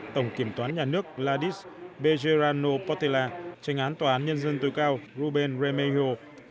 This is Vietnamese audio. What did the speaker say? tổng kiểm toán nhà nước gladys bejerano potela trành án tòa án nhân dân tối cao ruben remigio